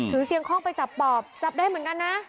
เสียงคล่องไปจับปอบจับได้เหมือนกันนะ